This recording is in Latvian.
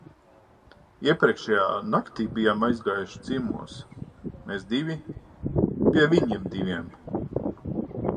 Iepriekšējā naktī bijām aizgājuši ciemos, mēs divi, pie viņiem diviem.